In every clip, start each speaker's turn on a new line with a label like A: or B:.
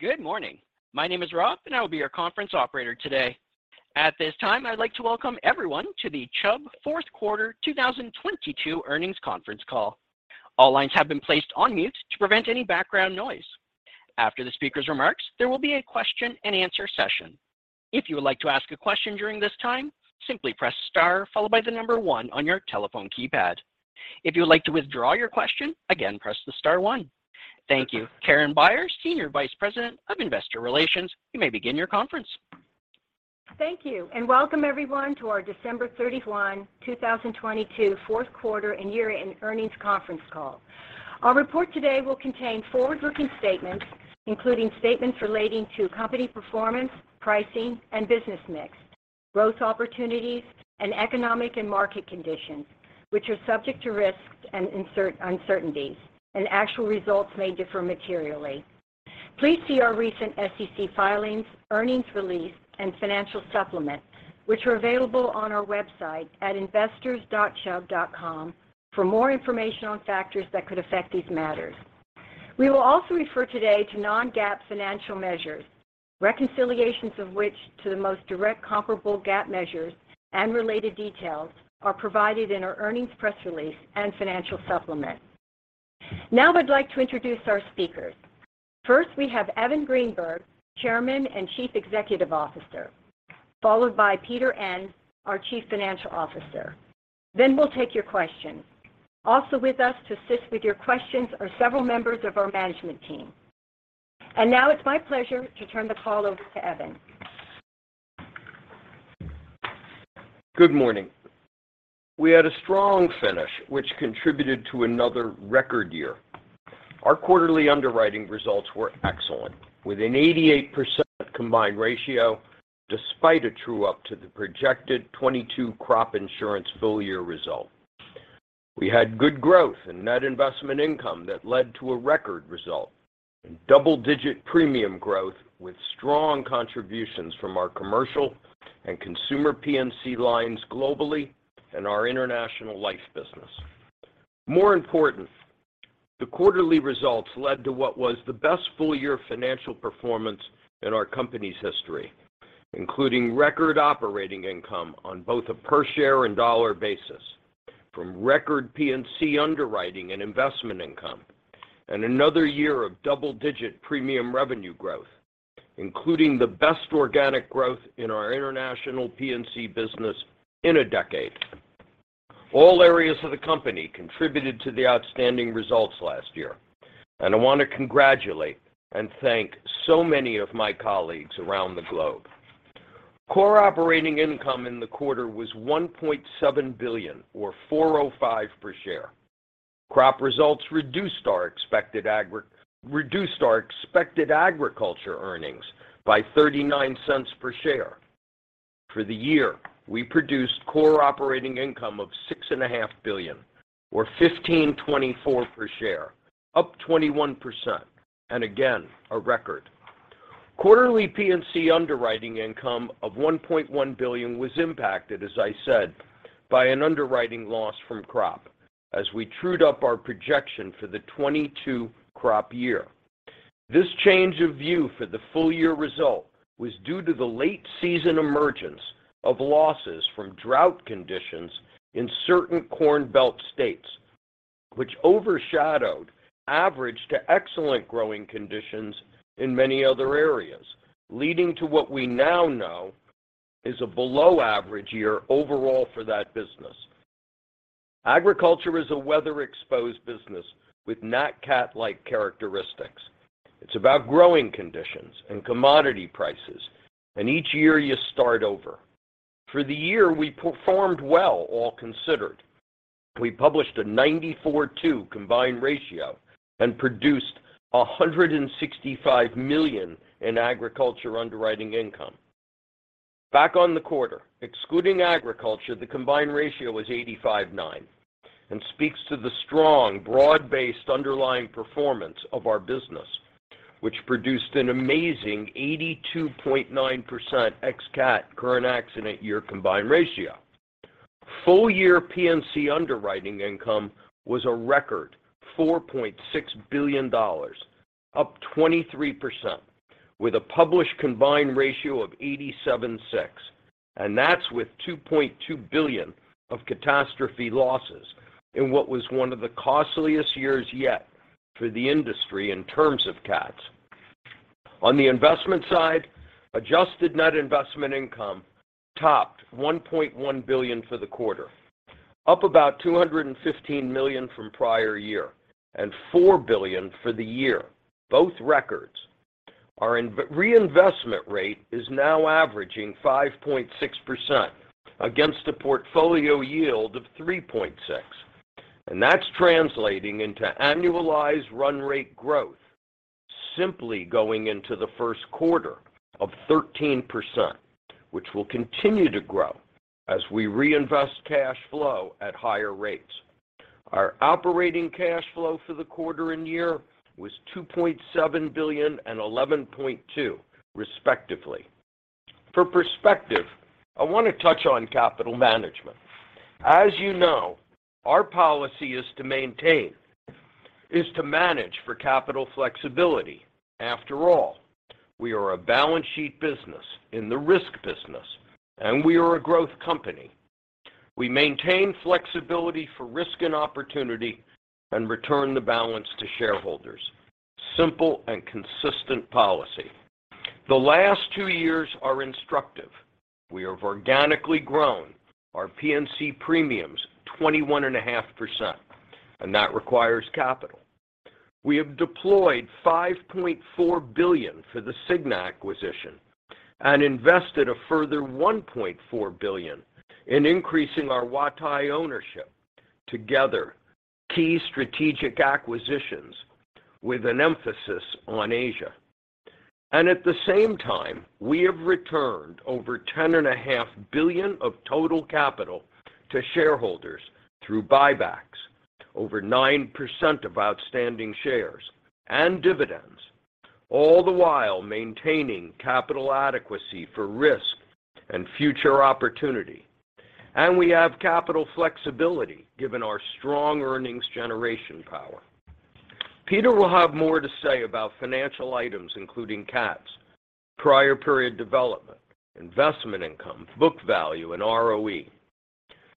A: Good morning. My name is Rob, and I will be your conference operator today. At this time, I'd like to welcome everyone to the Chubb Fourth Quarter 2022 Earnings Conference Call. All lines have been placed on mute to prevent any background noise. After the speaker's remarks, there will be a question-and-answer session. If you would like to ask a question during this time, simply press star followed by one on your telephone keypad. If you would like to withdraw your question, again, press the star one. Thank you. Karen Beyer, Senior Vice President of Investor Relations, you may begin your conference.
B: Thank you. Welcome everyone to our December 31, 2022 fourth quarter and year-end earnings conference call. Our report today will contain forward-looking statements, including statements relating to company performance, pricing, and business mix, growth opportunities, and economic and market conditions, which are subject to risks and uncertainties. Actual results may differ materially. Please see our recent SEC filings, earnings release, and financial supplement, which are available on our website at investors.chubb.com for more information on factors that could affect these matters. We will also refer today to non-GAAP financial measures, reconciliations of which to the most direct comparable GAAP measures and related details are provided in our earnings press release and financial supplement. Now I'd like to introduce our speakers. First, we have Evan Greenberg, Chairman and Chief Executive Officer, followed by Peter Enns, our Chief Financial Officer. We'll take your questions. Also with us to assist with your questions are several members of our management team. Now it's my pleasure to turn the call over to Evan.
C: Good morning. We had a strong finish, which contributed to another record year. Our quarterly underwriting results were excellent, with an 88% combined ratio despite a true-up to the projected 2022 crop insurance full-year result. We had good growth in net investment income that led to a record result in double-digit premium growth with strong contributions from our commercial and consumer P&C lines globally and our international life business. More important, the quarterly results led to what was the best full-year financial performance in our company's history, including record operating income on both a per share and dollar basis from record P&C underwriting and investment income and another year of double-digit premium revenue growth, including the best organic growth in our international P&C business in a decade. All areas of the company contributed to the outstanding results last year, and I want to congratulate and thank so many of my colleagues around the globe. Core operating income in the quarter was $1.7 billion or $4.05 per share. Crop results reduced our expected agriculture earnings by $0.39 per share. For the year, we produced core operating income of $6.5 billion or $15.24 per share, up 21%, and again, a record. Quarterly P&C underwriting income of $1.1 billion was impacted, as I said, by an underwriting loss from crop as we trued up our projection for the 2022 crop year. This change of view for the full-year result was due to the late season emergence of losses from drought conditions in certain Corn Belt states, which overshadowed average to excellent growing conditions in many other areas, leading to what we now know is a below average year overall for that business. Agriculture is a weather-exposed business with nat cat-like characteristics. It's about growing conditions and commodity prices, and each year you start over. For the year, we performed well, all considered. We published a 94.2 combined ratio and produced $165 million in agriculture underwriting income. Back on the quarter, excluding agriculture, the combined ratio was 85.9 and speaks to the strong, broad-based underlying performance of our business, which produced an amazing 82.9% ex cat current accident year combined ratio. Full-year P&C underwriting income was a record $4.6 billion, up 23%, with a published combined ratio of 87.6. That's with $2.2 billion of catastrophe losses in what was one of the costliest years yet for the industry in terms of cats. On the investment side, adjusted net investment income topped $1.1 billion for the quarter, up about $215 million from prior year and $4 billion for the year, both records. Our reinvestment rate is now averaging 5.6% against a portfolio yield of 3.6%, and that's translating into annualized run rate growth simply going into the first quarter of 13%, which will continue to grow as we reinvest cash flow at higher rates. Our operating cash flow for the quarter and year was $2.7 billion and $11.2 billion, respectively. For perspective, I want to touch on capital management. As you know, our policy is to manage for capital flexibility. After all, we are a balance sheet business in the risk business, and we are a growth company. We maintain flexibility for risk and opportunity and return the balance to shareholders. Simple and consistent policy. The last two years are instructive. We have organically grown our P&C premiums 21.5%, and that requires capital. We have deployed $5.4 billion for the Cigna acquisition and invested a further $1.4 billion in increasing our Huatai ownership together, key strategic acquisitions with an emphasis on Asia. At the same time, we have returned over ten and a half billion of total capital to shareholders through buybacks, over 9% of outstanding shares and dividends, all the while maintaining capital adequacy for risk and future opportunity. We have capital flexibility given our strong earnings generation power. Peter will have more to say about financial items, including cats, prior period development, investment income, book value, and ROE.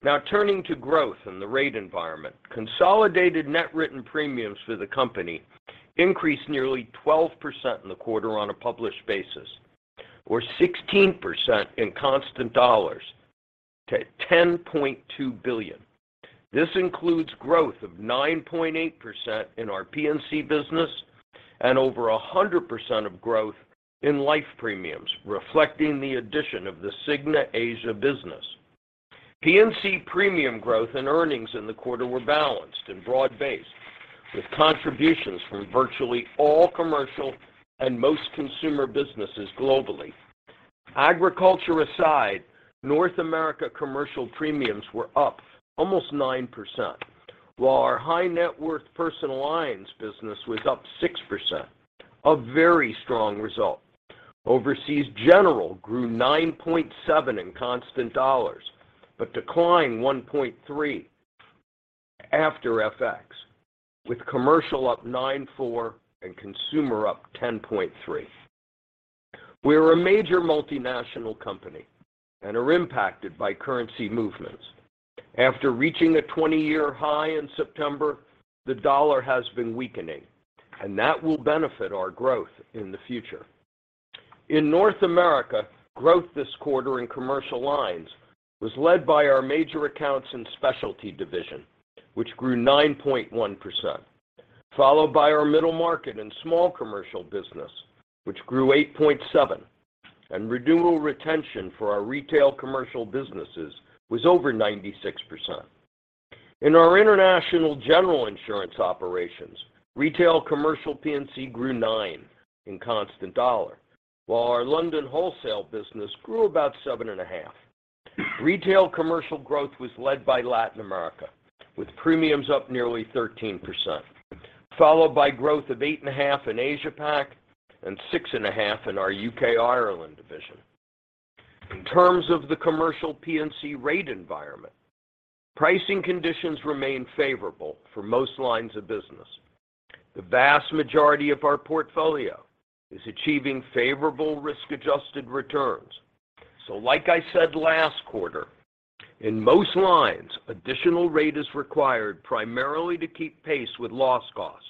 C: Now turning to growth in the rate environment, consolidated net written premiums for the company increased nearly 12% in the quarter on a published basis, or 16% in constant dollars to $10.2 billion. This includes growth of 9.8% in our P&C business and over 100% of growth in life premiums, reflecting the addition of the Cigna Asia business. P&C premium growth and earnings in the quarter were balanced and broad-based, with contributions from virtually all commercial and most consumer businesses globally. Agriculture aside, North America commercial premiums were up almost 9%, while our high net worth personal alliance business was up 6%. A very strong result. Overseas general grew 9.7 in constant dollars, but declined 1.3 after FX, with commercial up 9.4 and consumer up 10.3. We are a major multinational company and are impacted by currency movements. After reaching a 20-year high in September, the dollar has been weakening, and that will benefit our growth in the future. In North America, growth this quarter in commercial lines was led by our major accounts and specialty division, which grew 9.1%, followed by our middle market and small commercial business, which grew 8.7%. Renewal retention for our retail commercial businesses was over 96%. In our international general insurance operations, retail commercial P&C grew nine in constant dollar, while our London wholesale business grew about seven and half. Retail commercial growth was led by Latin America, with premiums up nearly 13%, followed by growth of 8.5 in Asia Pac and 6.5 in our U.K., Ireland division. In terms of the commercial P&C rate environment, pricing conditions remain favorable for most lines of business. The vast majority of our portfolio is achieving favorable risk-adjusted returns. Like I said last quarter, in most lines, additional rate is required primarily to keep pace with loss costs,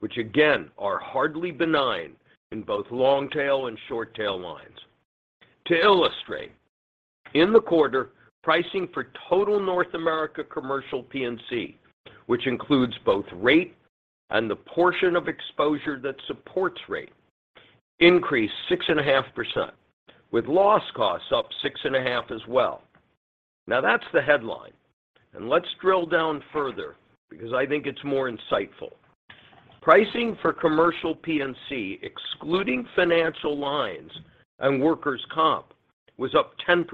C: which again, are hardly benign in both long-tail and short-tail lines. To illustrate, in the quarter, pricing for total North America commercial P&C, which includes both rate and the portion of exposure that supports rate, increased 6.5%, with loss costs up 6.5 as well. That's the headline, and let's drill down further because I think it's more insightful. Pricing for commercial P&C, excluding financial lines and workers' comp, was up 10%,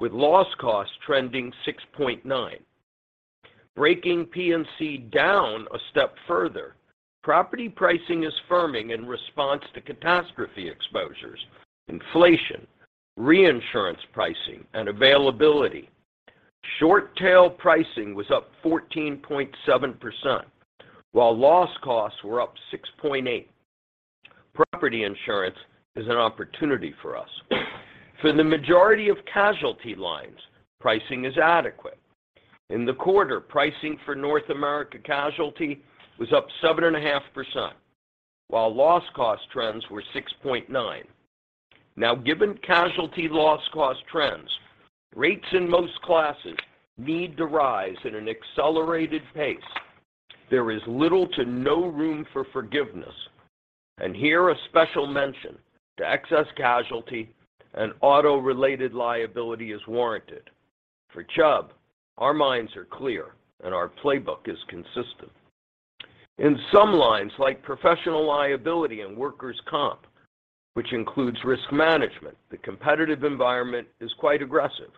C: with loss costs trending 6.9. Breaking P&C down a step further, property pricing is firming in response to catastrophe exposures, inflation, reinsurance pricing, and availability. Short-tail pricing was up 14.7%, while loss costs were up 6.8. Property insurance is an opportunity for us. For the majority of casualty lines, pricing is adequate. In the quarter, pricing for North America Casualty was up 7.5%, while loss cost trends were 6.9%. Given casualty loss cost trends, rates in most classes need to rise at an accelerated pace. There is little to no room for forgiveness. Here a special mention to excess casualty and auto-related liability is warranted. For Chubb, our minds are clear and our playbook is consistent. In some lines, like professional liability and workers' comp, which includes risk management, the competitive environment is quite aggressive.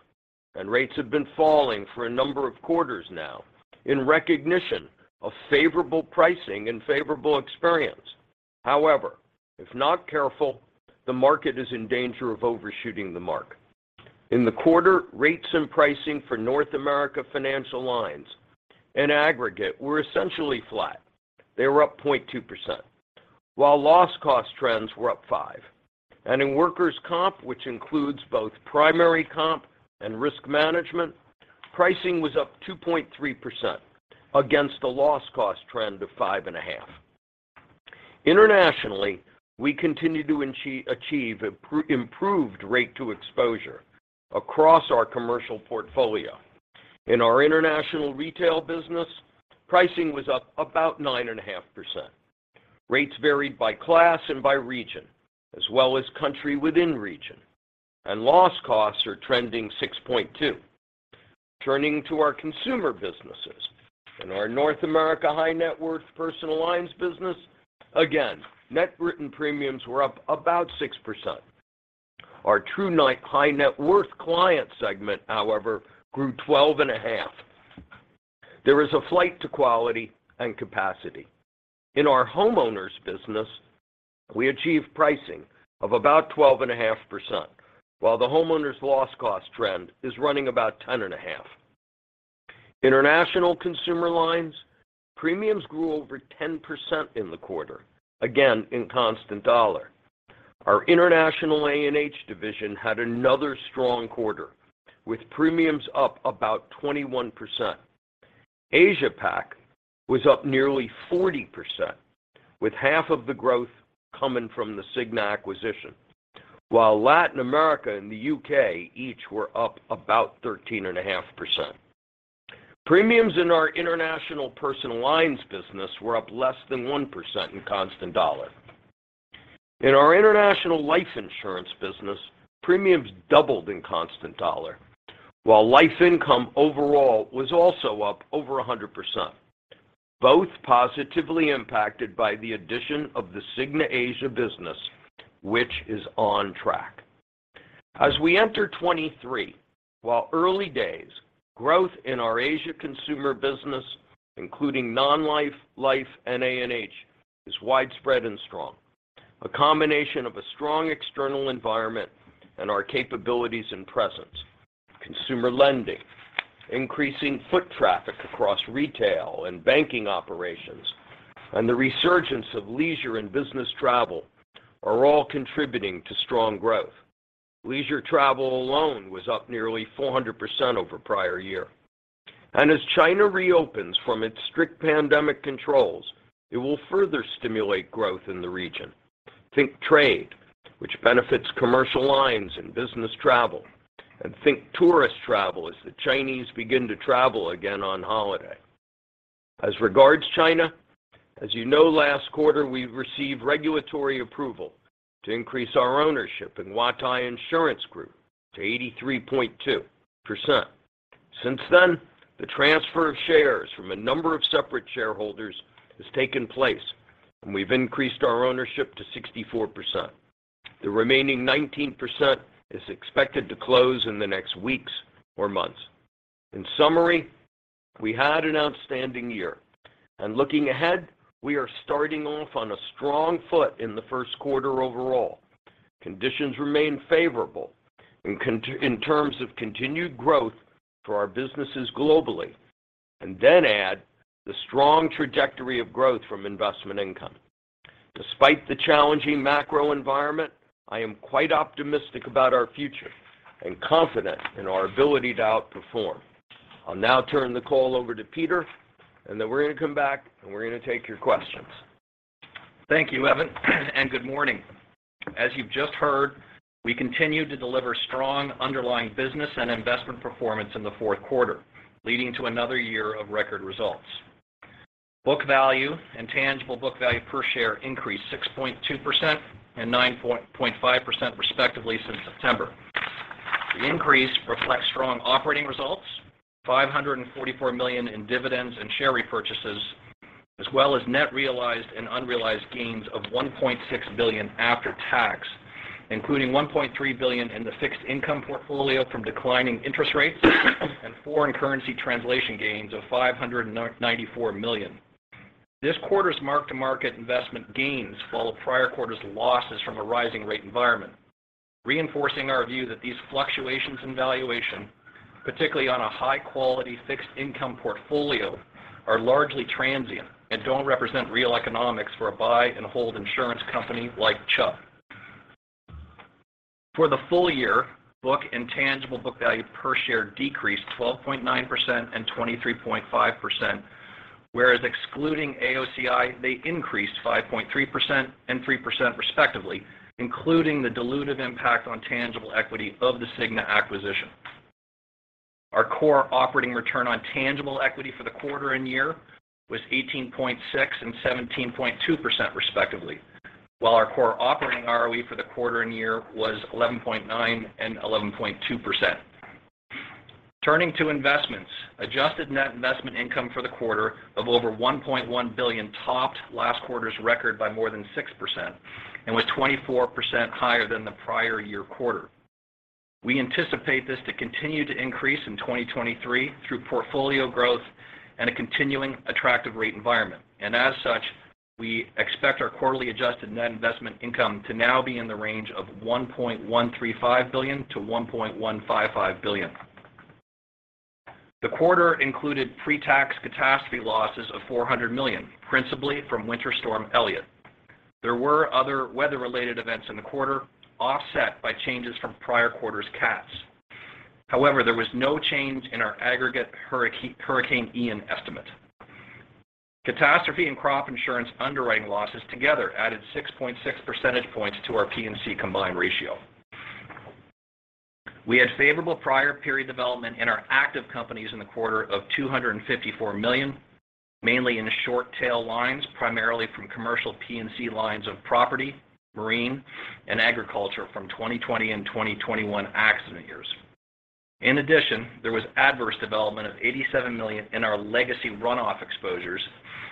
C: Rates have been falling for a number of quarters now in recognition of favorable pricing and favorable experience. However, if not careful, the market is in danger of overshooting the mark. In the quarter, rates and pricing for North America financial lines in aggregate were essentially flat. They were up 0.2%, while loss cost trends were up 5%. In workers' comp, which includes both primary comp and risk management, pricing was up 2.3% against a loss cost trend of 5.5%. Internationally, we continue to achieve improved rate to exposure across our commercial portfolio. In our international retail business, pricing was up about 9.5%. Rates varied by class and by region, as well as country within region, and loss costs are trending 6.2%. Turning to our consumer businesses. In our North America high net worth personal lines business, again, net written premiums were up about 6%. Our true high net worth client segment, however, grew 12.5%. There is a flight to quality and capacity. In our homeowners business, we achieved pricing of about 12.5%, while the homeowners loss cost trend is running about 10.5%. International consumer lines, premiums grew over 10% in the quarter, again in constant dollar. Our international A&H division had another strong quarter with premiums up about 21%. Asia Pac was up nearly 40%, with half of the growth coming from the Cigna acquisition. Latin America and the U.K. each were up about 13.5%. Premiums in our international personal lines business were up less than 1% in constant dollar. In our international life insurance business, premiums doubled in constant dollar, while life income overall was also up over 100%, both positively impacted by the addition of the Cigna Asia business, which is on track. We enter 2023, while early days, growth in our Asia consumer business, including non-life, life, and A&H, is widespread and strong. A combination of a strong external environment and our capabilities and presence, consumer lending, increasing foot traffic across retail and banking operations, and the resurgence of leisure and business travel are all contributing to strong growth. Leisure travel alone was up nearly 400% over prior year. As China reopens from its strict pandemic controls, it will further stimulate growth in the region. Think trade, which benefits commercial lines and business travel, and think tourist travel as the Chinese begin to travel again on holiday. As regards China, as you know, last quarter, we received regulatory approval to increase our ownership in Huatai Insurance Group to 83.2%. Since then, the transfer of shares from a number of separate shareholders has taken place, and we've increased our ownership to 64%. The remaining 19% is expected to close in the next weeks or months. In summary, we had an outstanding year. Looking ahead, we are starting off on a strong foot in the first quarter overall. Conditions remain favorable in terms of continued growth for our businesses globally, and then add the strong trajectory of growth from investment income. Despite the challenging macro environment, I am quite optimistic about our future and confident in our ability to outperform. I'll now turn the call over to Peter, and then we're going to come back, and we're going to take your questions.
D: Thank you, Evan, good morning. As you've just heard, we continued to deliver strong underlying business and investment performance in the fourth quarter, leading to another year of record results. Book value and tangible book value per share increased 6.2% and 9.5% respectively since September. The increase reflects strong operating results, $544 million in dividends and share repurchases, as well as net realized and unrealized gains of $1.6 billion after tax, including $1.3 billion in the fixed income portfolio from declining interest rates and foreign currency translation gains of $594 million. This quarter's mark-to-market investment gains follow prior quarter's losses from a rising rate environment, reinforcing our view that these fluctuations in valuation, particularly on a high-quality fixed income portfolio, are largely transient and don't represent real economics for a buy and hold insurance company like Chubb. For the full year, book and tangible book value per share decreased 12.9% and 23.5%, whereas excluding AOCI, they increased 5.3% and 3% respectively, including the dilutive impact on tangible equity of the Cigna acquisition. Our core operating return on tangible equity for the quarter and year was 18.6% and 17.2% respectively, while our core operating ROE for the quarter and year was 11.9% and 11.2%. Turning to investments. Adjusted net investment income for the quarter of over $1.1 billion topped last quarter's record by more than 6% and was 24% higher than the prior year quarter. We anticipate this to continue to increase in 2023 through portfolio growth and a continuing attractive rate environment. We expect our quarterly adjusted net investment income to now be in the range of $1.135 billion-$1.155 billion. The quarter included pre-tax catastrophe losses of $400 million, principally from Winter Storm Elliott. There were other weather-related events in the quarter, offset by changes from prior quarters' cats. However, there was no change in our aggregate Hurricane Ian estimate. Catastrophe and crop insurance underwriting losses together added 6.6 percentage points to our P&C combined ratio. We had favorable prior period development in our active companies in the quarter of $254 million, mainly in short tail lines, primarily from commercial P&C lines of property, marine, and agriculture from 2020 and 2021 accident years. There was adverse development of $87 million in our legacy runoff exposures,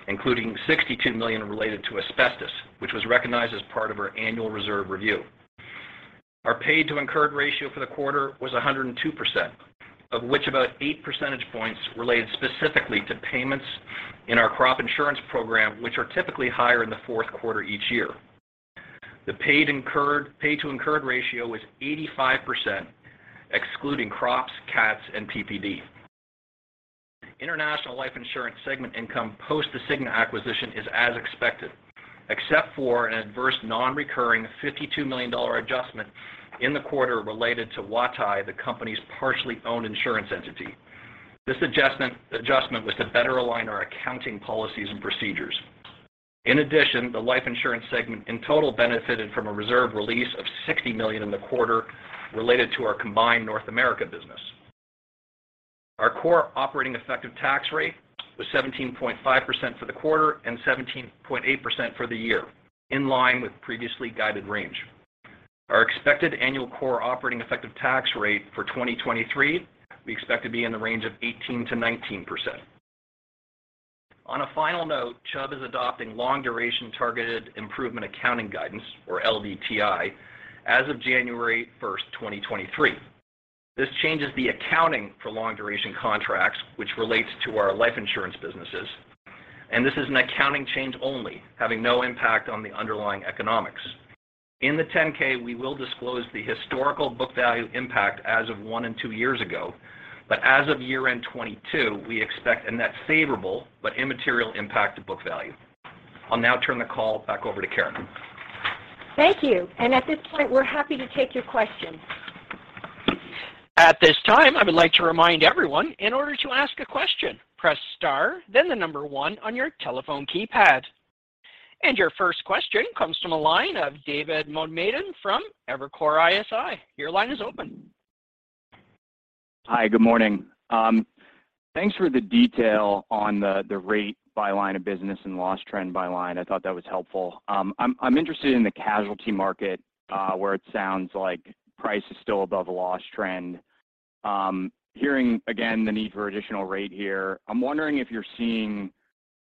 D: including $62 million related to asbestos, which was recognized as part of our annual reserve review. Our paid to incurred ratio for the quarter was 102%, of which about 8 percentage points related specifically to payments in our crop insurance program, which are typically higher in the fourth quarter each year. The paid to incurred ratio was 85%, excluding crops, cats, and PPD. International Life Insurance segment income post the Cigna acquisition is as expected, except for an adverse non-recurring $52 million adjustment in the quarter related to Huatai, the company's partially owned insurance entity. This adjustment was to better align our accounting policies and procedures. In addition, the life insurance segment in total benefited from a reserve release of $60 million in the quarter related to our combined North America business. Our core operating effective tax rate was 17.5% for the quarter and 17.8% for the year, in line with previously guided range. Our expected annual core operating effective tax rate for 2023, we expect to be in the range of 18%-19%. On a final note, Chubb is adopting Long-Duration Targeted Improvements accounting guidance, or LDTI, as of January first, 2023. This changes the accounting for long duration contracts, which relates to our life insurance businesses, and this is an accounting change only, having no impact on the underlying economics. In the 10-K, we will disclose the historical book value impact as of one and two years ago. As of year-end 2022, we expect a net favorable but immaterial impact to book value. I'll now turn the call back over to Karen.
B: Thank you. At this point, we're happy to take your questions.
A: At this time, I would like to remind everyone, in order to ask a question, press star, then one on your telephone keypad. Your first question comes from a line of David Motemaden from Evercore ISI. Your line is open.
E: Hi. Good morning. Thanks for the detail on the rate by line of business and loss trend by line. I thought that was helpful. I'm interested in the casualty market, where it sounds like price is still above loss trend. Hearing again the need for additional rate here, I'm wondering if you're seeing,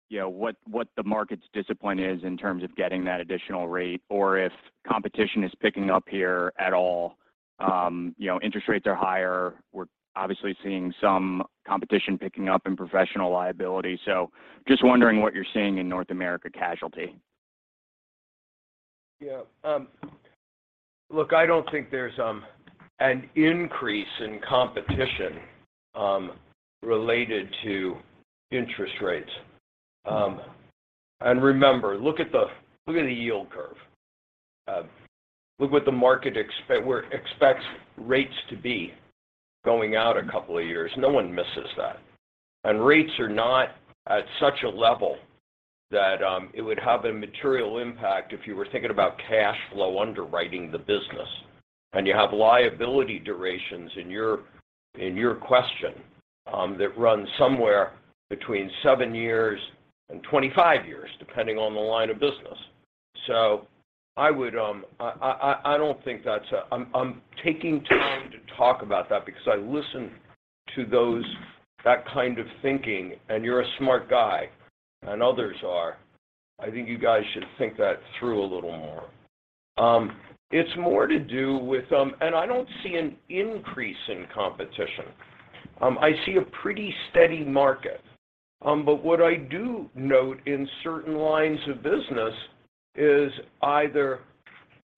E: you know, what the market's discipline is in terms of getting that additional rate or if competition is picking up here at all. You know, interest rates are higher. We're obviously seeing some competition picking up in professional liability. Just wondering what you're seeing in North America Casualty.
C: Look, I don't think there's an increase in competition related to interest rates. Remember, look at the, look at the yield curve. Look what the market expects rates to be going out a couple of years. No one misses that. Rates are not at such a level that it would have a material impact if you were thinking about cash flow underwriting the business. You have liability durations in your, in your question, that run somewhere between 7 years and 25 years, depending on the line of business. I would, I don't think that's a... I'm taking time to talk about that because I listen to those, that kind of thinking, and you're a smart guy, and others are. I think you guys should think that through a little more. It's more to do with... I don't see an increase in competition. I see a pretty steady market. What I do note in certain lines of business is either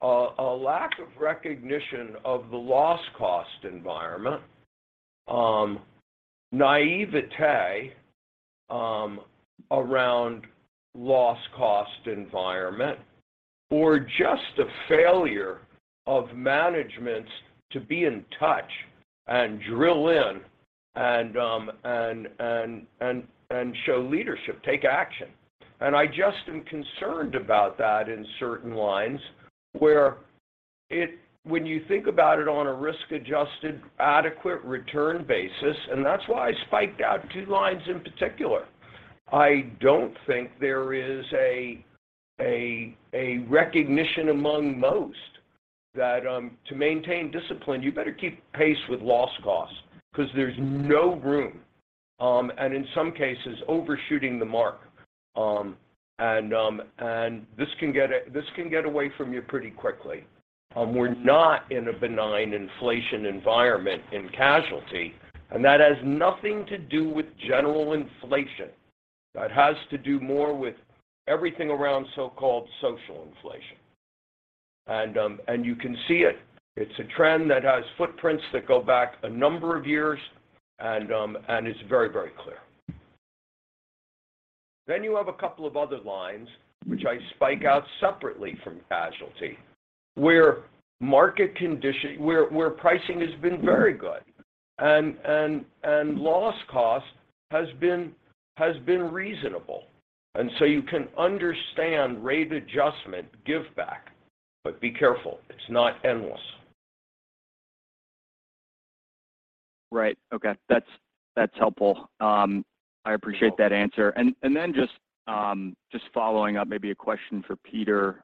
C: a lack of recognition of the loss cost environment, naivete, around loss cost environment, or just a failure of managements to be in touch and drill in and show leadership, take action. I just am concerned about that in certain lines where when you think about it on a risk-adjusted adequate return basis, and that's why I spiked out two lines in particular, I don't think there is a recognition among most That, to maintain discipline, you better keep pace with loss costs 'cause there's no room, and in some cases overshooting the mark. This can get away from you pretty quickly. We're not in a benign inflation environment in casualty, and that has nothing to do with general inflation. That has to do more with everything around so-called social inflation. You can see it. It's a trend that has footprints that go back a number of years, and it's very, very clear. You have a couple of other lines which I spike out separately from casualty, where pricing has been very good and loss cost has been reasonable. You can understand rate adjustment give back. Be careful, it's not endless.
E: Right. Okay. That's helpful. I appreciate that answer. Then just following up, maybe a question for Peter.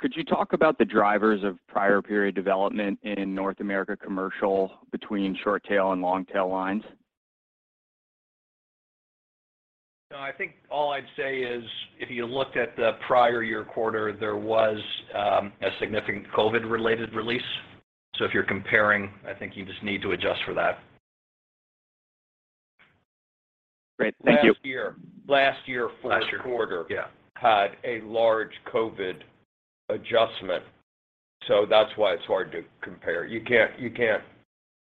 E: Could you talk about the drivers of prior period development in North America commercial between short tail and long tail lines?
D: No, I think all I'd say is if you looked at the prior year quarter, there was a significant COVID-related release. If you're comparing, I think you just need to adjust for that.
E: Great. Thank you.
C: Last year, fourth quarter-
D: Last year, yeah.
C: had a large COVID adjustment, so that's why it's hard to compare. You can't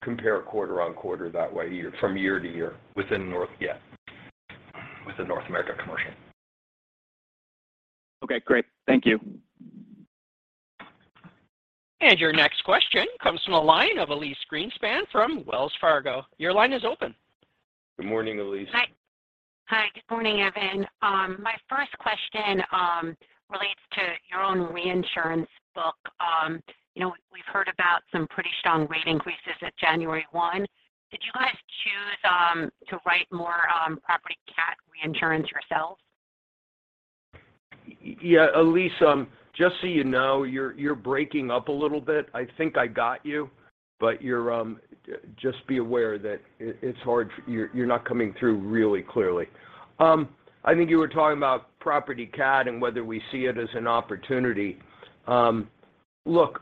C: compare quarter-on-quarter that way from year to year within North America commercial.
E: Okay, great. Thank you.
A: Your next question comes from the line of Elyse Greenspan from Wells Fargo. Your line is open.
C: Good morning, Elyse.
F: Hi. Hi. Good morning, Evan. My first question, relates to your own reinsurance book. You know, we've heard about some pretty strong rate increases at January 1. Did you guys choose to write more property cat reinsurance yourselves?
C: Yeah, Elyse, just so you know, you're breaking up a little bit. I think I got you, but you're. Just be aware that it's hard. You're not coming through really clearly. I think you were talking about property cat and whether we see it as an opportunity. Look,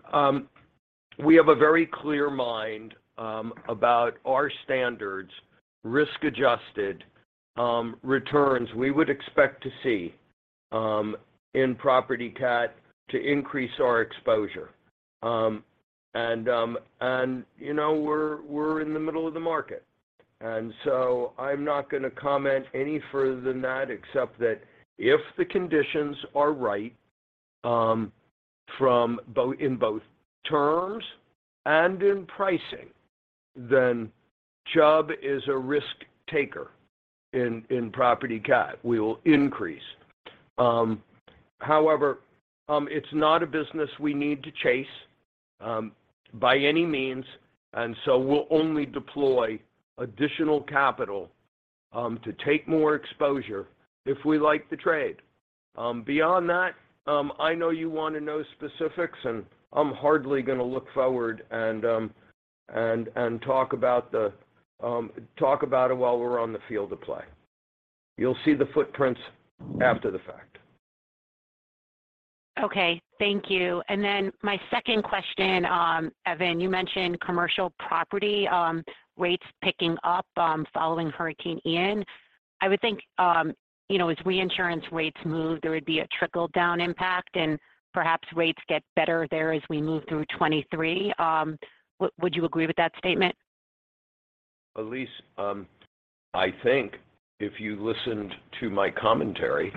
C: we have a very clear mind about our standards, risk-adjusted returns we would expect to see in property cat to increase our exposure. And, you know, we're in the middle of the market. So I'm not gonna comment any further than that except that if the conditions are right, from both in both terms and in pricing, then Chubb is a risk-taker in property cat. We will increase. However, it's not a business we need to chase, by any means. We'll only deploy additional capital to take more exposure if we like the trade. Beyond that, I know you wanna know specifics. I'm hardly gonna look forward and talk about the talk about it while we're on the field of play. You'll see the footprints after the fact.
F: Okay. Thank you. My second question, Evan, you mentioned commercial property, rates picking up, following Hurricane Ian. I would think, you know, as reinsurance rates move, there would be a trickle-down impact and perhaps rates get better there as we move through 2023. Would you agree with that statement?
C: Elyse, I think if you listened to my commentary,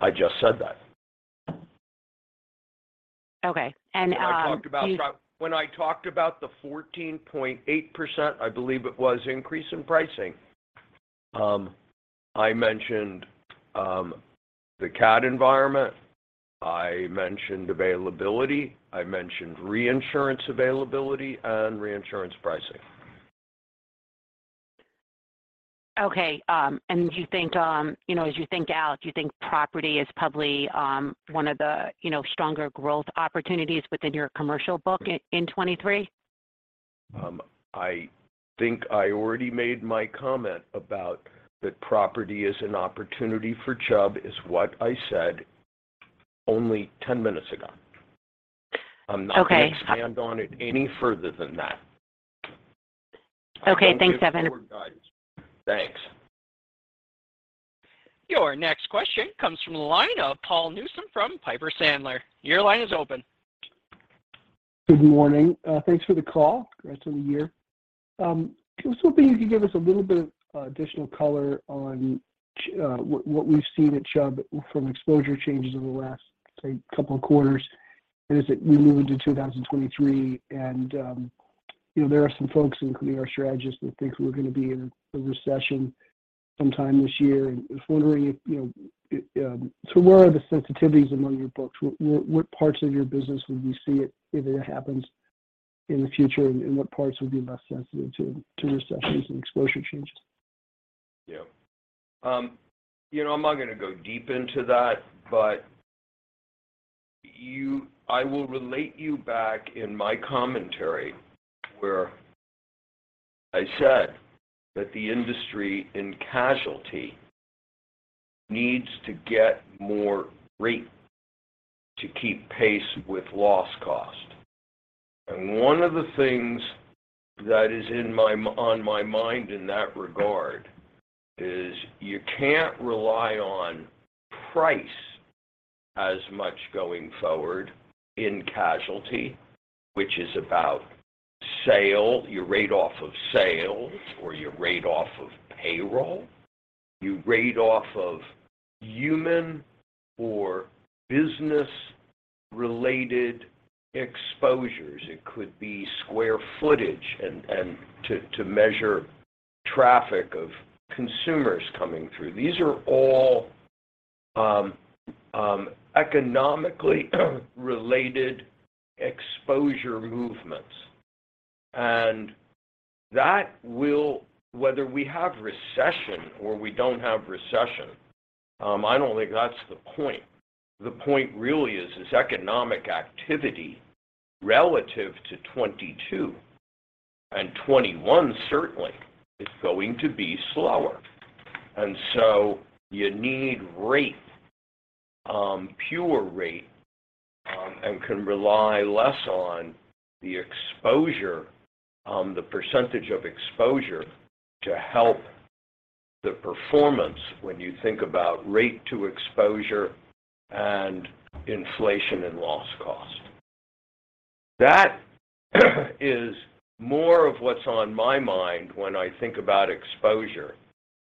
C: I just said that.
F: Okay.
C: When I talked about the 14.8%, I believe it was, increase in pricing, I mentioned the cat environment. I mentioned availability. I mentioned reinsurance availability and reinsurance pricing.
F: Okay. Do you think, you know, as you think out, do you think property is probably, one of the, you know, stronger growth opportunities within your commercial book in 2023?
C: I think I already made my comment about that property is an opportunity for Chubb, is what I said only 10 minutes ago.
F: Okay.
C: I'm not gonna expand on it any further than that.
F: Okay. Thanks, Evan.
C: I don't give forward guidance. Thanks.
A: Your next question comes from the line of Paul Newsome from Piper Sandler. Your line is open.
G: Good morning. Thanks for the call. Congrats on the year. I was hoping you could give us a little bit of additional color on what we've seen at Chubb from exposure changes over the last, say, couple of quarters. As we move into 2023, you know, there are some folks, including our strategists, that think we're gonna be in a recession sometime this year. Was wondering if, you know, what are the sensitivities among your books? What parts of your business would we see if it happens in the future, and what parts would be less sensitive to recessions and exposure changes?
C: Yeah. You know, I'm not gonna go deep into that. I will relate you back in my commentary where I said that the industry in casualty needs to get more rate to keep pace with loss cost. One of the things that is on my mind in that regard is you can't rely on price as much going forward in casualty, which is about sale, your rate off of sales or your rate off of payroll. You rate off of human or business-related exposures. It could be square footage and to measure traffic of consumers coming through. These are all economically related exposure movements. That will... whether we have recession or we don't have recession, I don't think that's the point. The point really is economic activity relative to 2022 and 2021 certainly is going to be slower. You need rate, pure rate, and can rely less on the exposure, the percentage of exposure to help the performance when you think about rate to exposure and inflation and loss cost. That is more of what's on my mind when I think about exposure.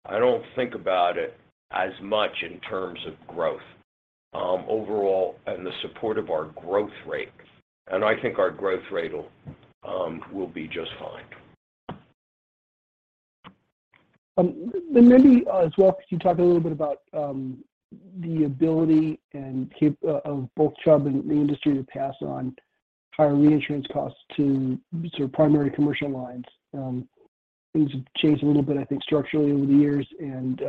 C: I don't think about it as much in terms of growth, overall and the support of our growth rate. I think our growth rate will be just fine.
G: Maybe as well, could you talk a little bit about the ability and cap of both Chubb and the industry to pass on higher reinsurance costs to sort of primary commercial lines? Things have changed a little bit, I think, structurally over the years and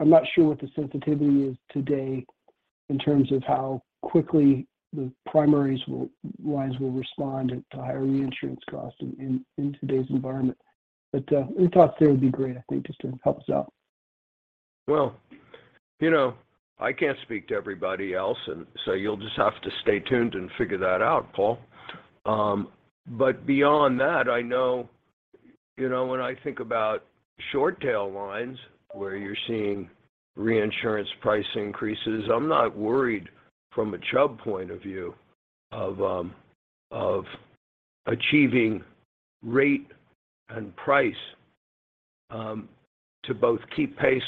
G: I'm not sure what the sensitivity is today in terms of how quickly the primaries lines will respond to higher reinsurance costs in today's environment. Any thoughts there would be great, I think, just to help us out.
C: You know, I can't speak to everybody else and so you'll just have to stay tuned and figure that out, Paul. Beyond that, I know, you know, when I think about short tail lines where you're seeing reinsurance price increases, I'm not worried from a Chubb point of view of achieving rate and price to both keep pace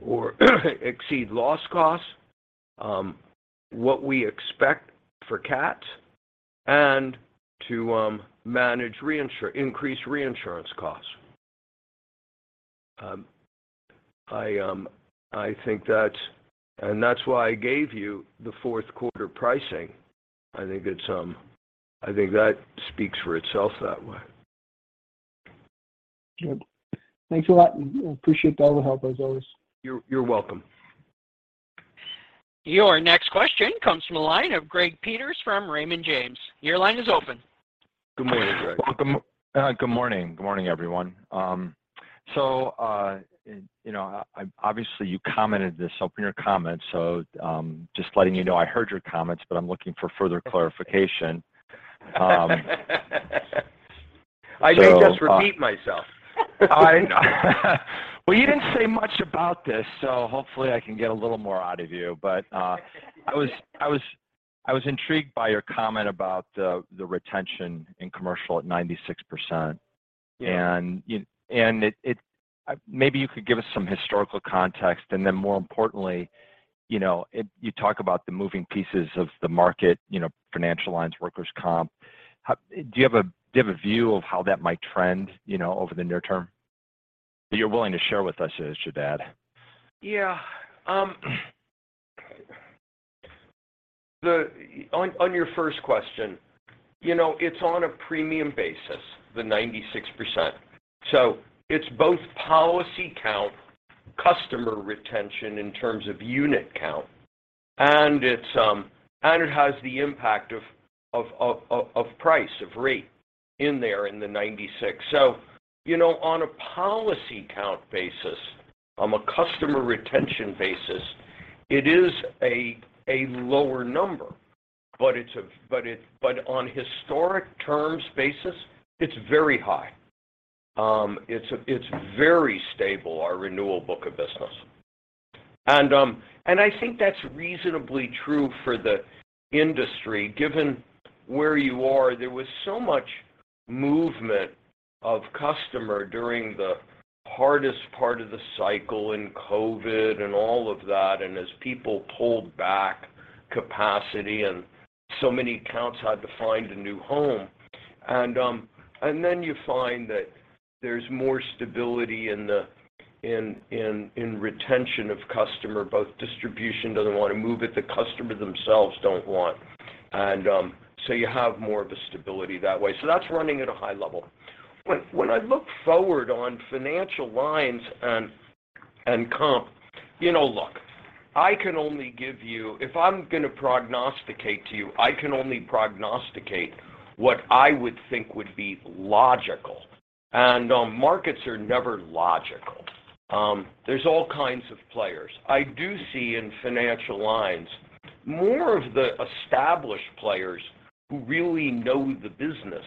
C: or exceed loss costs, what we expect for CATs and to manage increase reinsurance costs. I think that's and that's why I gave you the fourth quarter pricing. I think it's, I think that speaks for itself that way.
G: Good. Thanks a lot. We appreciate all the help, as always.
C: You're welcome.
A: Your next question comes from the line of Greg Peters from Raymond James. Your line is open.
C: Good morning, Greg.
H: Welcome. Good morning. Good morning, everyone. You know, obviously, you commented this, opened your comments, so, just letting you know I heard your comments, but I'm looking for further clarification.
C: I may just repeat myself.
H: All right. Well, you didn't say much about this, hopefully I can get a little more out of you. I was intrigued by your comment about the retention in commercial at 96%.
C: Yeah.
H: Maybe you could give us some historical context, and then more importantly, you know, you talk about the moving pieces of the market, you know, financial lines, workers' comp. Do you have a view of how that might trend, you know, over the near term that you're willing to share with us, is your dad?
C: Yeah. On your first question, you know, it's on a premium basis, the 96%. It's both policy count, customer retention in terms of unit count, and it has the impact of price, of rate in there in the 96. You know, on a policy count basis, on a customer retention basis, it is a lower number, but on historic terms basis, it's very high. It's very stable, our renewal book of business. I think that's reasonably true for the industry, given where you are. There was so much movement of customer during the hardest part of the cycle in COVID and all of that, and as people pulled back capacity and so many accounts had to find a new home. Then you find that there's more stability in retention of customer, both distribution doesn't want to move it, the customer themselves don't want. You have more of a stability that way. That's running at a high level. When I look forward on financial lines and comp, you know, if I'm going to prognosticate to you, I can only prognosticate what I would think would be logical. Markets are never logical. There's all kinds of players. I do see in financial lines more of the established players who really know the business,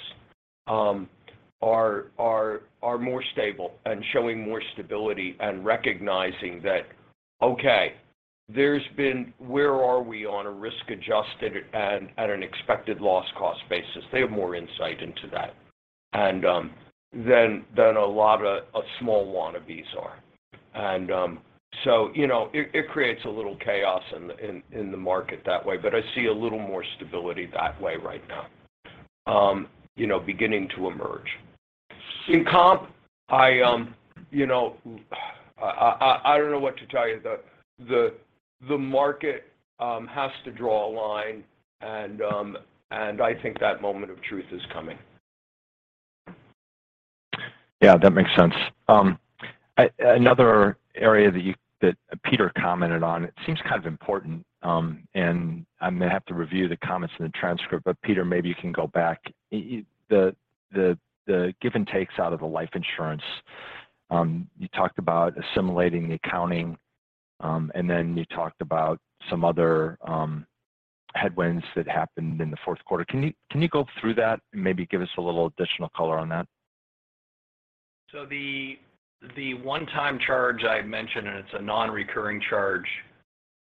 C: are more stable and showing more stability and recognizing that, okay, there's been where are we on a risk-adjusted and at an expected loss cost basis. They have more insight into that and than a lot of small wannabes are. So you know, it creates a little chaos in the market that way. I see a little more stability that way right now, you know, beginning to emerge. In comp, I you know, I don't know what to tell you. The market has to draw a line and I think that moment of truth is coming.
H: Yeah, that makes sense. Another area that Peter commented on, it seems kind of important. I may have to review the comments in the transcript. Peter, maybe you can go back. You The give and takes out of the life insurance, you talked about assimilating the accounting, and then you talked about some other headwinds that happened in the fourth quarter. Can you go through that and maybe give us a little additional color on that?
D: The one-time charge I mentioned, and it's a non-recurring charge,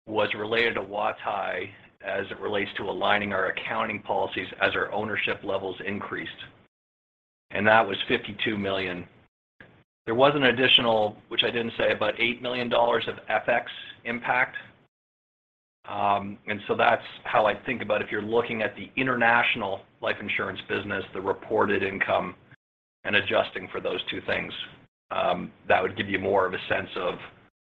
D: was related to Huatai as it relates to aligning our accounting policies as our ownership levels increased, and that was $52 million. There was an additional, which I didn't say, but $8 million of FX impact. That's how I think about if you're looking at the international life insurance business, the reported income, and adjusting for those two things, that would give you more of a sense of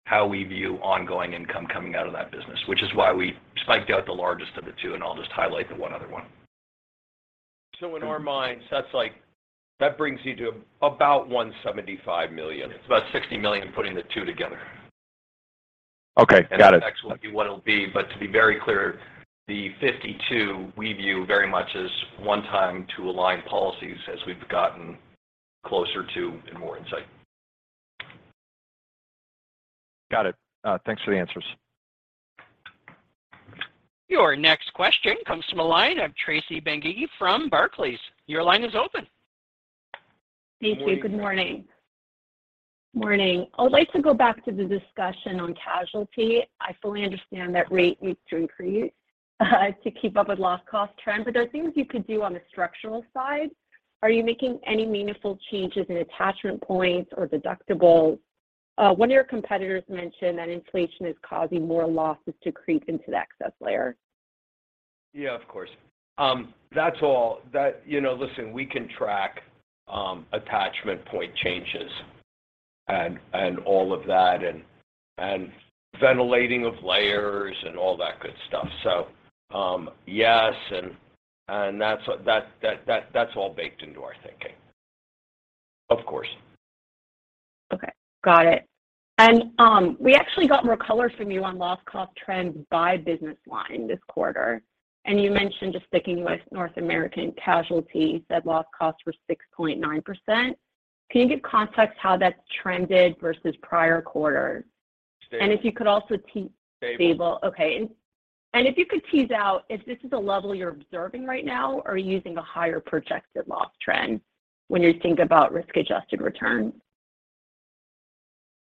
D: how we view ongoing income coming out of that business, which is why we spiked out the largest of the two, and I'll just highlight the one other one. In our minds, that's like that brings you to about $175 million. It's about $60 million putting the two together.
H: Okay, got it.
D: FX will be what it'll be. To be very clear, the 52 we view very much as one time to align policies as we've gotten closer to and more insight.
H: Got it. Thanks for the answers.
A: Your next question comes from a line of Tracy Benguigui from Barclays. Your line is open.
I: Thank you. Good morning. Morning. I'd like to go back to the discussion on casualty. I fully understand that rate needs to increase to keep up with loss cost trends, but are there things you could do on the structural side? Are you making any meaningful changes in attachment points or deductibles? One of your competitors mentioned that inflation is causing more losses to creep into the excess layer.
C: Yeah, of course. That's all. You know, listen, we can track, attachment point changes and all of that, and ventilating of layers and all that good stuff. Yes, and that's all baked into our thinking. Of course.
I: Okay, got it. We actually got more color from you on loss cost trends by business line this quarter. You mentioned just sticking with North American casualty, you said loss costs were 6.9%. Can you give context how that's trended versus prior quarters?
C: Stable.
I: If you could also.
C: Stable.
I: Stable. Okay. If you could tease out if this is a level you're observing right now or are you using a higher projected loss trend when you think about risk-adjusted returns?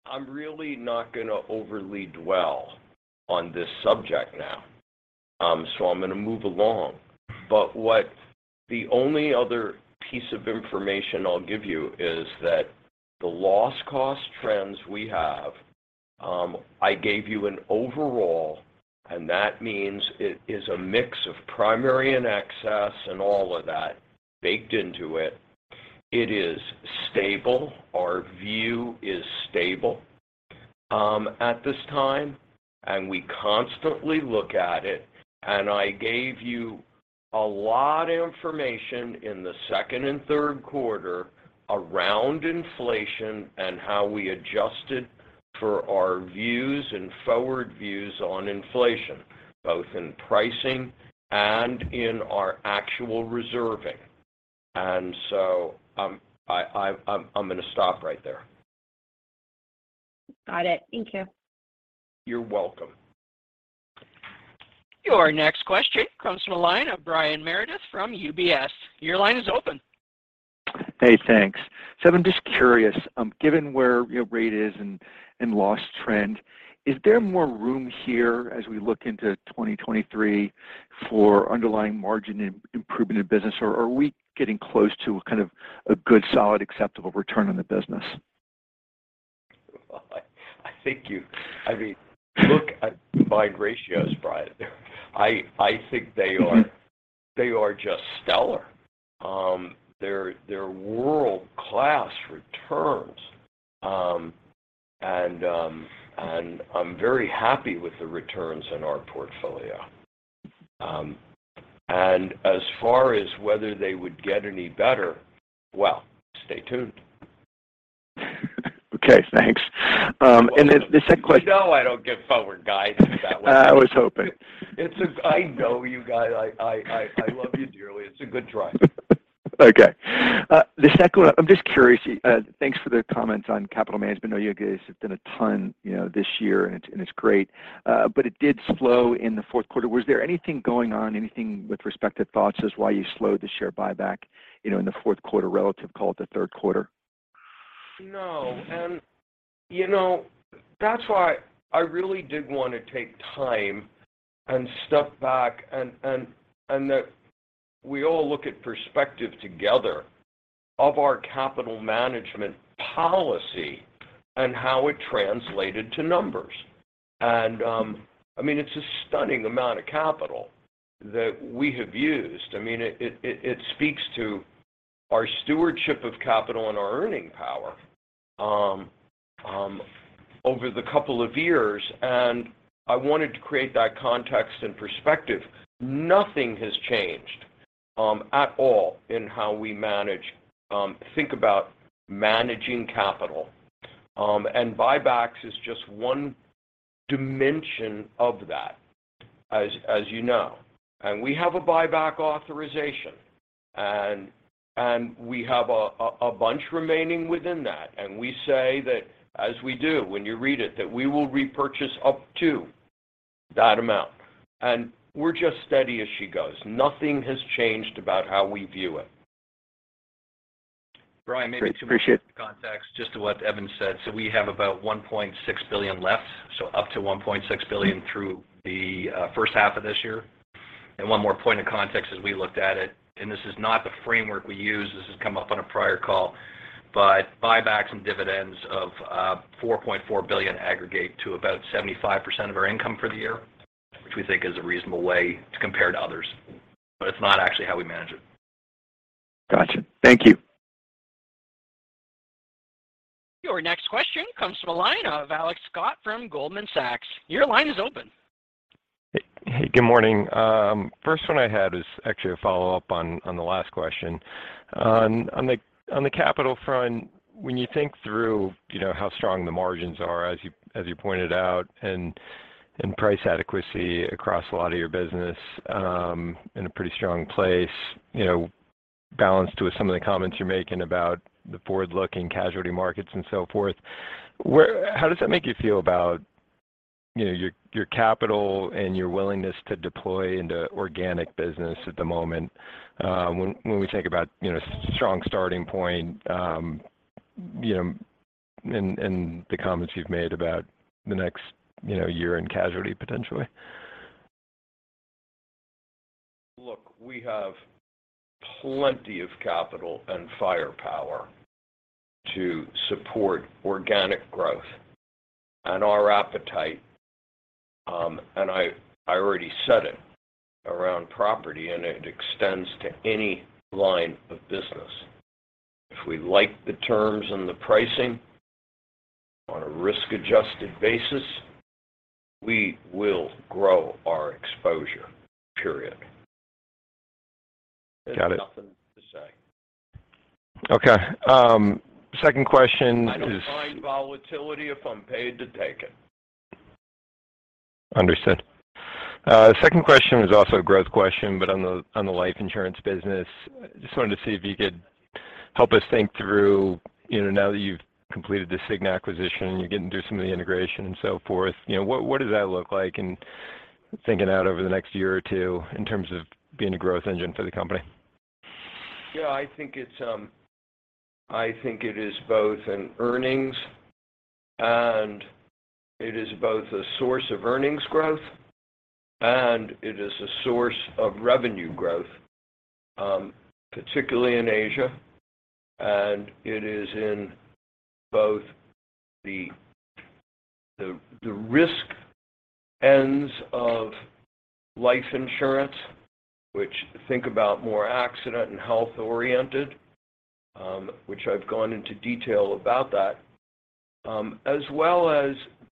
C: I'm really not gonna overly dwell on this subject now. I'm gonna move along. What the only other piece of information I'll give you is that the loss cost trends we have, I gave you an overall, and that means it is a mix of primary and excess and all of that baked into it. It is stable. Our view is stable, at this time, and we constantly look at it, and I gave you a lot of information in the second and third quarter around inflation and how we adjusted for our views and forward views on inflation, both in pricing and in our actual reserving. I'm gonna stop right there.
I: Got it. Thank you.
C: You're welcome.
A: Your next question comes from a line of Brian Meredith from UBS. Your line is open.
J: Hey, thanks. I'm just curious, given where your rate is and loss trend, is there more room here as we look into 2023 for underlying margin improvement in business, or are we getting close to a kind of a good, solid, acceptable return on the business?
C: I mean, look at combined ratios, Brian. I think they are just stellar. They're world-class returns. I'm very happy with the returns in our portfolio. As far as whether they would get any better, well, stay tuned.
J: Okay, thanks. the second question.
C: You know I don't give forward guidance that way.
J: I was hoping.
C: It's I know you guys. I love you dearly. It's a good try.
J: Okay. The second one, I'm just curious. Thanks for the comments on capital management. I know you guys have done a ton, you know, this year, and it's, and it's great. It did slow in the fourth quarter. Was there anything going on, anything with respect to thoughts as why you slowed the share buyback, you know, in the fourth quarter relative call to third quarter?
C: No. You know, that's why I really did want to take time and step back and that we all look at perspective together of our capital management policy and how it translated to numbers. I mean, it's a stunning amount of capital that we have used. I mean, it speaks to our stewardship of capital and our earning power over the couple of years, and I wanted to create that context and perspective. Nothing has changed at all in how we manage, think about managing capital. Buybacks is just one dimension of that, as you know. We have a buyback authorization and we have a bunch remaining within that, and we say that, as we do when you read it, that we will repurchase up to that amount. We're just steady as she goes. Nothing has changed about how we view it.
D: Brian,
J: Great. Appreciate it.
D: Maybe to provide context just to what Evan said. We have about $1.6 billion left, up to $1.6 billion through the first half of this year. One more point of context as we looked at it, and this is not the framework we use, this has come up on a prior call. Buybacks and dividends of $4.4 billion aggregate to about 75% of our income for the year, which we think is a reasonable way to compare to others. It's not actually how we manage it. Gotcha. Thank you.
A: Your next question comes from the line of Alex Scott from Goldman Sachs. Your line is open.
K: Hey, good morning. first one I had was actually a follow-up on the last question. On the capital front, when you think through, you know, how strong the margins are as you pointed out, and price adequacy across a lot of your business, in a pretty strong place, you know, balanced with some of the comments you're making about the forward-looking casualty markets and so forth, how does that make you feel about, you know, your capital and your willingness to deploy into organic business at the moment, when we think about, you know, strong starting point, you know, and the comments you've made about the next, you know, year in casualty potentially?
C: Look, we have plenty of capital and firepower to support organic growth. Our appetite, and I already said it around property, and it extends to any line of business. If we like the terms and the pricing on a risk-adjusted basis, we will grow our exposure, period.
K: Got it.
C: There's nothing to say.
K: Okay. second question is-
C: I don't mind volatility if I'm paid to take it.
K: Understood. second question is also a growth question, but on the life insurance business. Just wanted to see if you could help us think through, you know, now that you've completed the Cigna acquisition, you're getting through some of the integration and so forth. You know, what does that look like in thinking out over the next year or two in terms of being a growth engine for the company?
C: Yeah, I think it's, I think it is both an earnings and it is both a source of earnings growth, and it is a source of revenue growth, particularly in Asia. It is in both the risk ends of life insurance, which think about more accident and health-oriented, which I've gone into detail about that, as well as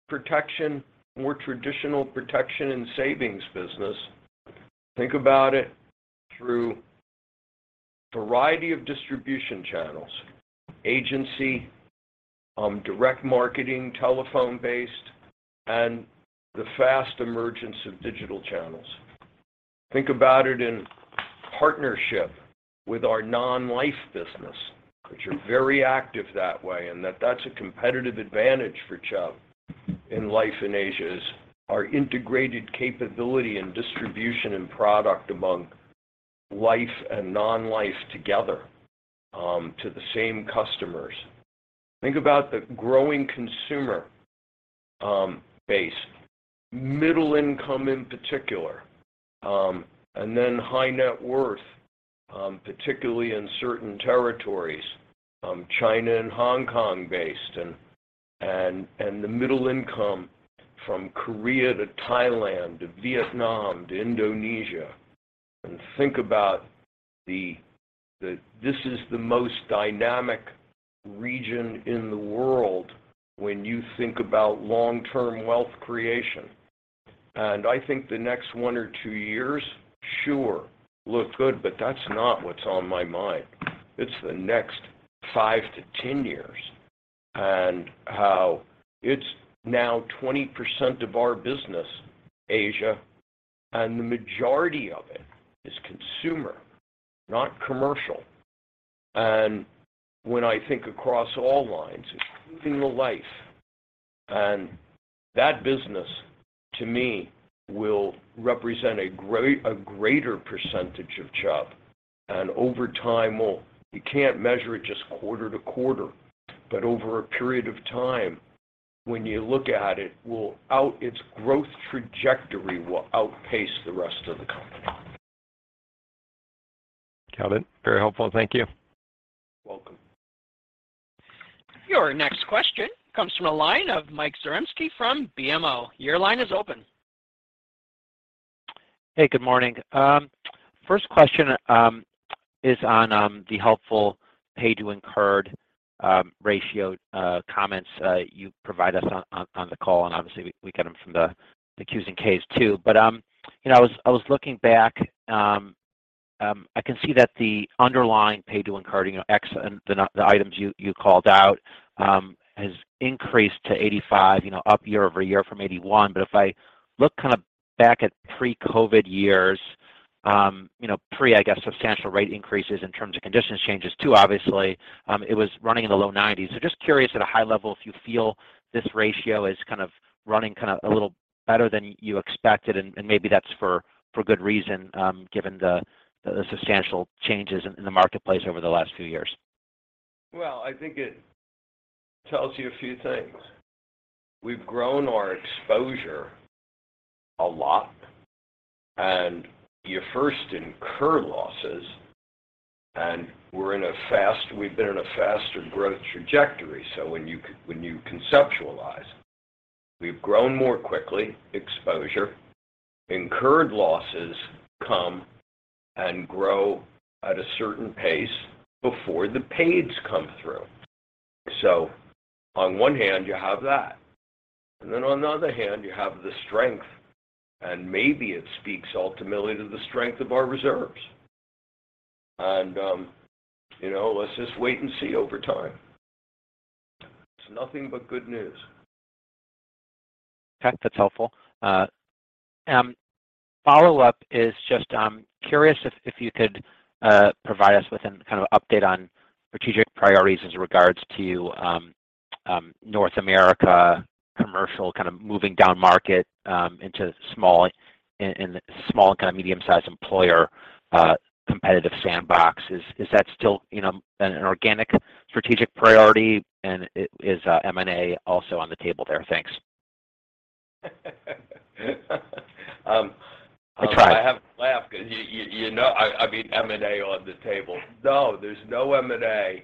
C: protection, more traditional protection and savings business. Think about it through variety of distribution channels, agency, direct marketing, telephone-based, and the fast emergence of digital channels. Think about it in partnership with our non-life business, which are very active that way, and that's a competitive advantage for Chubb in life in Asia is our integrated capability and distribution and product among life and non-life together, to the same customers. Think about the growing consumer base. Middle income in particular, and then high net worth, particularly in certain territories, China and Hong Kong-based and the middle income from Korea to Thailand to Vietnam to Indonesia. Think about the this is the most dynamic region in the world when you think about long-term wealth creation. I think the next oneor two years, sure, look good, but that's not what's on my mind. It's the next 5 to 10 years and how it's now 20% of our business, Asia, and the majority of it is consumer, not commercial. When I think across all lines, it's improving the life. That business, to me, will represent a greater percentage of Chubb. Over time, you can't measure it just quarter to quarter. Over a period of time, when you look at it, its growth trajectory will outpace the rest of the company. Got it. Very helpful. Thank you. Welcome.
A: Your next question comes from the line of Mike Zaremski from BMO. Your line is open.
L: Hey, good morning. First question is on the helpful pay to incurred ratio comments you provide us on the call, and obviously we get them from the Qs and Ks too. You know, I was looking back, I can see that the underlying pay to incurred, you know, ex the items you called out, has increased to 85, you know, up year-over-year from 81. If I look kind of back at pre-COVID years, you know, pre, I guess, substantial rate increases in terms of conditions changes too, obviously, it was running in the low 90s. Just curious at a high level if you feel this ratio is kind of running a little better than you expected, and maybe that's for good reason, given the substantial changes in the marketplace over the last few years.
C: Well, I think it tells you a few things. We've grown our exposure a lot, and you first incur losses, and we're in a faster growth trajectory. When you conceptualize, we've grown more quickly, exposure. Incurred losses come and grow at a certain pace before the paids come through. On one hand, you have that. On the other hand, you have the strength, and maybe it speaks ultimately to the strength of our reserves. You know, let's just wait and see over time. It's nothing but good news.
L: Okay. That's helpful. follow-up is just curious if you could provide us with an kind of update on strategic priorities as regards to North America commercial kind of moving down market into small and small and kind of medium-sized employer competitive sandbox. Is, is that still, you know, an organic strategic priority, and is M&A also on the table there? Thanks.
C: Um-
L: I tried.
C: I have to laugh 'cause you know, I mean, M&A on the table. No, there's no M&A.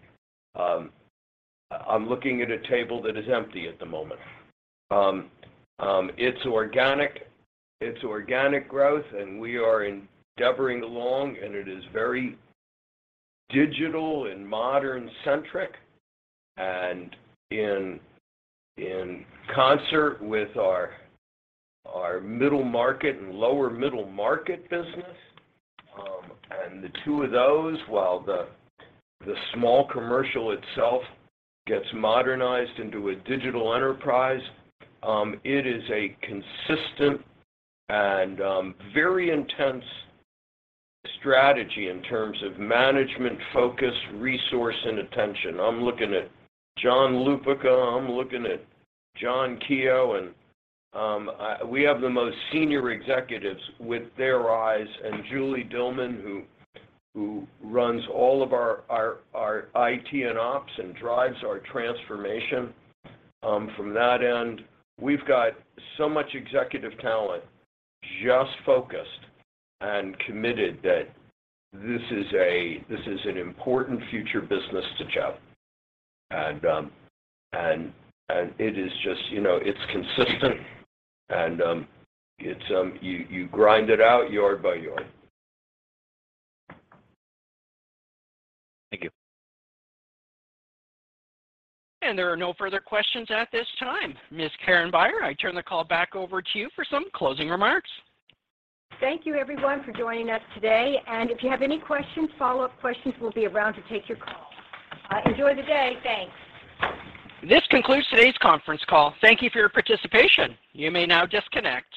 C: I'm looking at a table that is empty at the moment. It's organic. It's organic growth, and we are endeavoring along, and it is very digital and modern-centric and in concert with our middle market and lower middle market business. The two of those, while the small commercial itself gets modernized into a digital enterprise, it is a consistent and very intense strategy in terms of management focus, resource, and attention. I'm looking at John Lupica, I'm looking at John Keogh, and we have the most senior executives with their eyes, and Julie Dillman, who runs all of our IT and ops and drives our transformation, from that end. We've got so much executive talent just focused and committed that this is a, this is an important future business to Chubb. It is just. You know, it's consistent and it's you grind it out yard by yard.
L: Thank you.
A: There are no further questions at this time. Ms. Karen Beyer, I turn the call back over to you for some closing remarks.
B: Thank you everyone for joining us today. If you have any questions, follow-up questions, we'll be around to take your call. Enjoy the day. Thanks.
A: This concludes today's conference call. Thank you for your participation. You may now disconnect.